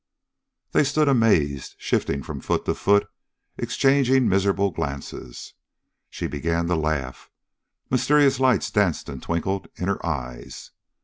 They stood amazed, shifting from foot to foot, exchanging miserable glances. She began to laugh; mysterious lights danced and twinkled in her eyes.